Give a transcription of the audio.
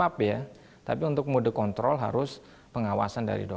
hal ini memiliki keunggulan untuk melewati ketinggian kemarinunteriansen dengan meja di sistem udara condes